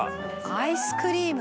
「アイスクリームか」